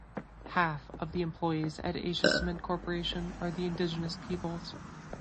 Half of employees at Asia Cement Corporation are the indigenous peoples.